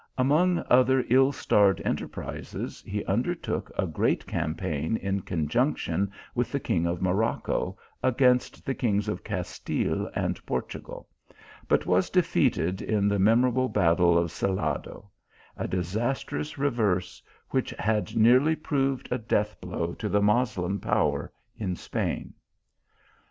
Among other ill starred enterprizes, he undertook a great campaign in conjunction with the king of Morocco, against the kings of Castile and Portugal, but was defeated in the memorable battle of Salado ; a disastrous re verse which had nearly proved a ileath blow to the Moslem power in Spain.